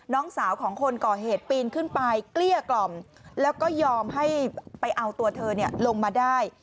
น้องสาวของคนก่อเหตุปีนขึ้นไปเกลี้ยกล่อมแล้วก็ยอมให้ไปเอาตัวเธอลงมาได้